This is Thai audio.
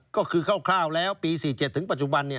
ก็คือคร่าวแล้วปี๔๗ถึงปัจจุบัน